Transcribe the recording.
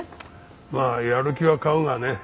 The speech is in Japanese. まあやる気は買うがね。